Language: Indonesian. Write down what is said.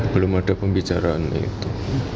belum ada pembicaraan itu